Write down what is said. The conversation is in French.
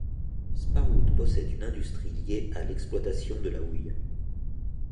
Sparwood possède une industrie liée à l'exploitation de la houille.